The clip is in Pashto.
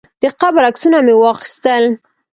د قبر عکسونه مې واخیستل.